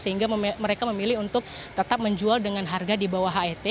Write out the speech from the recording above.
sehingga mereka memilih untuk tetap menjual dengan harga di bawah het